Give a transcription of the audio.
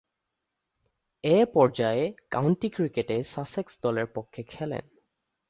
এ পর্যায়ে কাউন্টি ক্রিকেটে সাসেক্স দলের পক্ষে খেলেন।